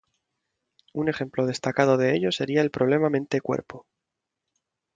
Un ejemplo destacado de ello sería el problema mente-cuerpo.